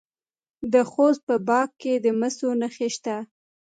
د خوست په باک کې د مسو نښې شته.